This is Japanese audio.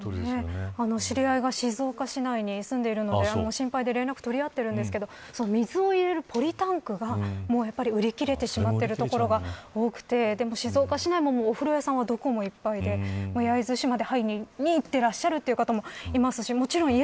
知り合いが静岡市内に住んでいるので心配で連絡取り合っているんですが水を入れるポリタンクが売り切れてしまっている所が多くてでも静岡市内もお風呂屋さんはどこもいっぱいで焼津市まで入りに行っている方もいますし